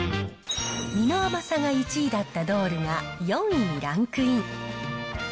実の甘さが１位だったドールが４位にランクイン。